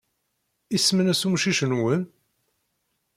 Isem-nnes umcic-nwen?